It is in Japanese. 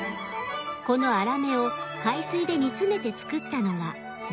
このアラメを海水で煮詰めて作ったのが藻塩。